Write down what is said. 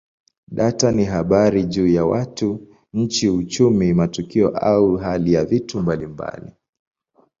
Data ni habari juu ya watu, nchi, uchumi, matukio au hali ya vitu mbalimbali.